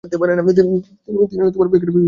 তিনি তার কাছে শিষ্যত্ব লাভ করেন।